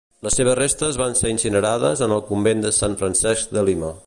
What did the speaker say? Les seves restes van ser incinerades en el convent de Sant Francesc de Lima.